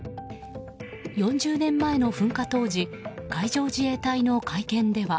４０年前の噴火当時海上自衛隊の会見では。